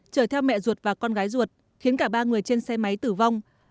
chở theo mẹ ruột và con gái ruột khiến cả ba người trên xe máy tử vong